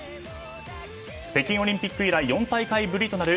北京オリンピック以来４大会ぶりとなる